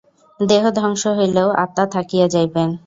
দেহ ধ্বংস হইলেও আত্মা থাকিয়া যাইবেন।